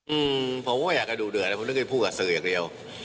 อืมผมก็อยากจะดูเดือดแล้วผมนึกไปพูดกับสื่ออย่างเดียว